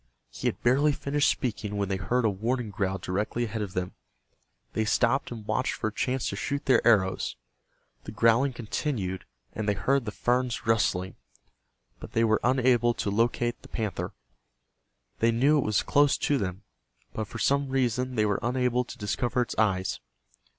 He had barely finished speaking when they heard a warning growl directly ahead of them. They stopped and watched for a chance to shoot their arrows. The growling continued, and they heard the ferns rustling, but they were unable to locate the panther. They knew it was close to them, but for some reason they were unable to discover its eyes.